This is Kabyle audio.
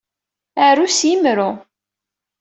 Aru s yemru.